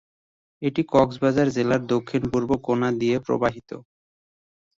এটি কক্সবাজার জেলার দক্ষিণ পূর্ব কোনা দিয়ে প্রবাহিত।